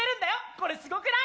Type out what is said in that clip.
これすごくない！？